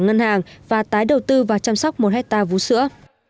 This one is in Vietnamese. chị mười sẽ trả ngân hàng và tái đầu tư vào chăm sóc một hectare vú sữa